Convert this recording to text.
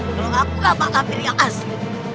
kalau akulah mak lampir yang asli